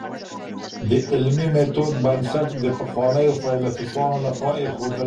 د علمي ميتود بنسټ د پخوانیو فيلسوفانو لخوا ايښودل سوی دی.